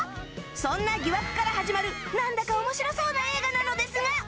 そんな疑惑から始まるなんだか面白そうな映画なのですが